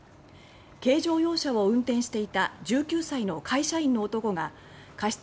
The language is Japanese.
軽乗用車を運転していた１９歳の会社員の男が過失